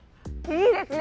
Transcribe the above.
いいですね